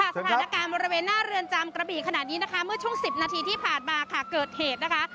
สถานการณ์บริเวณหน้าเรือนจำกระบี่ขนาดนี้นะคะเมื่อช่วง๑๐นาทีที่ผ่านมาค่ะเกิดเหตุนะคะ